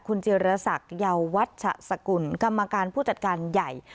ก็ต้องไปถามเขาแหละคุณเจรสักยาววัชสกุลกรรมการผู้จัดการใหญ่